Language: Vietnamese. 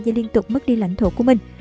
và liên tục mất đi lãnh thổ của mình